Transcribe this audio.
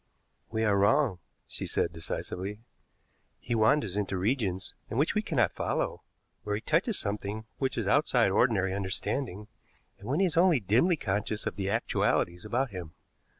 "We are wrong," she said decisively. "He wanders into regions into which we cannot follow where he touches something which is outside ordinary understanding, and when he is only dimly conscious of the actualities about him.